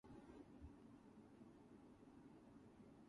In eukaryotes, structural genes are not sequentially placed.